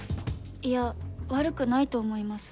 いや悪くないと思います。